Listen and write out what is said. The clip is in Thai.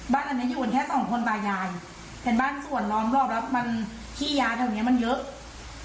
อันนั้นอยู่กันแค่สองคนบายางเป็นบ้านส่วนล้อมรอบแล้วมันขี้ยาแถวเนี้ยมันเยอะ